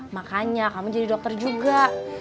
makanya kamu jadi dokter juga